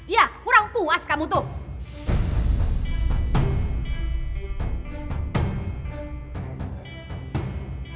ya kurang puas kamu tuh